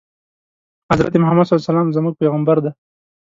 حضرت محمد ص زموږ پیغمبر دی